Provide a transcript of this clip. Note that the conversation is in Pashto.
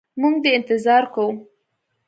موږ دي انتظار کوو.